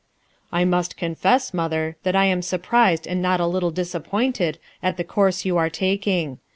"I must confess, mother, that I am surprised d n0 t a little disappointed* at the course you taking.